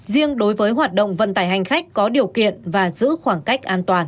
riêng đối với hoạt động vận tải hành khách có điều kiện và giữ khoảng cách an toàn